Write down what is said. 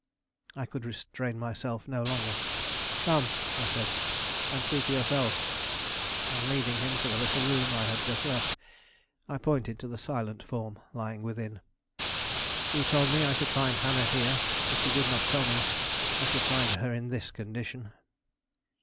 I could restrain myself no longer. "Come," I said, "and see for yourself!" And, leading him to the little room I had just left, I pointed to the silent form lying within. "You told me I should find Hannah here; but you did not tell me I should find her in this condition."